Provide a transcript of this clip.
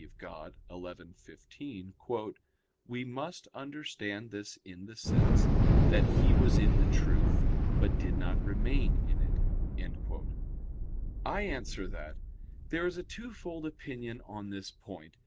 Dei xi, 15), "we must understand this in the sense, that he was in the truth, but did not remain in it." I answer that, There is a twofold opinion on this point.